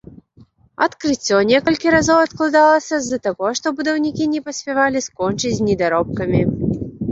Адкрыццё некалькі разоў адкладалася з-за таго, што будаўнікі не паспявалі скончыць з недаробкамі.